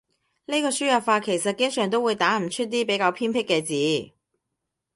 呢個輸入法其實經常都會打唔出啲比較偏僻嘅字